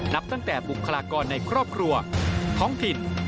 นับตั้งแต่บุคลากรในครอบครัวท้องถิ่น